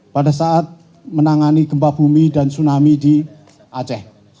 pada saat menangani gempa bumi dan tsunami di aceh